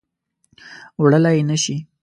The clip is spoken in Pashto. وړلای نه شي